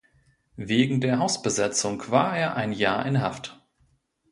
Wegen der Hausbesetzung war er ein Jahr in Haft.